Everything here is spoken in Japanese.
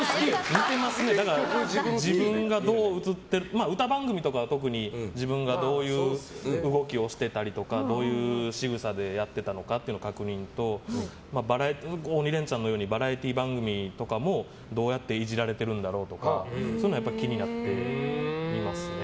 まあ、歌番組とかは自分がどういう動きをしてたりとかどういうしぐさでやってたのかを確認と「鬼レンチャン」のようにバラエティー番組とかもどうやってイジられてるんだろうとかそういうの気になって見ますね。